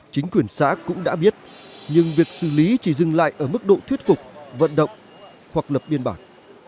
chính quyền xã cũng đã biết nhưng việc xử lý chỉ dừng lại ở mức độ thuyết phục vận động hoặc lập biên bản